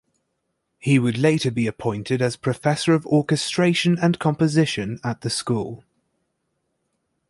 He would later be appointed as professor of orchestration and composition at the school.